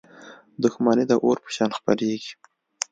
• دښمني د اور په شان خپرېږي.